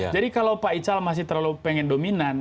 jadi kalau pak ical masih terlalu pengen dominan